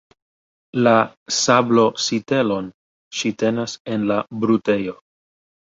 La sablo-sitelon ŝi tenas en la brutejo.